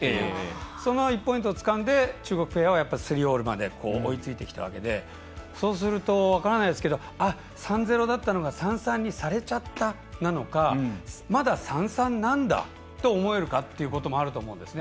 その１ポイントをつかんで中国ペアは３−３まで追いついてきたわけでそうなると分からないですが３−０だったのが３−３にされちゃったなのかまだ３−３なんだと思えるかっていうのもあると思うんですね。